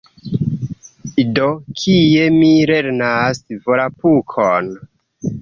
Do, kie mi lernas Volapukon?